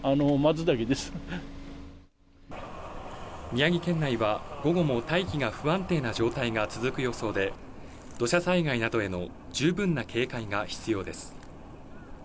宮城県内は午後も大気が不安定な状態が続く予想で、土砂災害などへの十分な警戒が必要です。